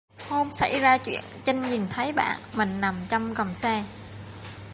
hôm sảy ra truyện, Trinh nhìn thấy bạn mình nằm trong gầm xe